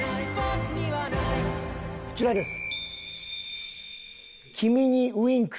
こちらです！